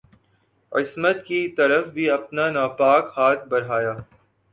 عصمت کی طرف بھی اپنا ناپاک ہاتھ بڑھایا